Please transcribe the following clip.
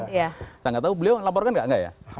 saya enggak tahu beliau laporkan enggak ya